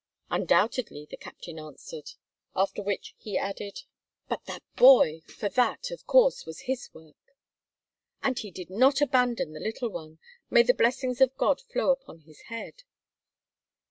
"Undoubtedly," the captain answered. After which he added: "But that boy! For that, of course, was his work." "And he did not abandon the little one. May the blessings of God flow upon his head!"